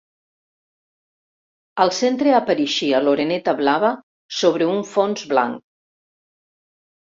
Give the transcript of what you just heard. Al centre apareixia l'oreneta blava sobre un fons blanc.